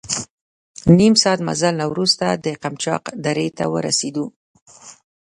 نیم ساعت مزل نه وروسته د قمچاق درې ته ورسېدو.